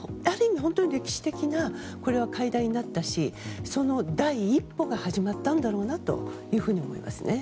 歴史的な会談になったしその第一歩が始まったんだろうなと思いますね。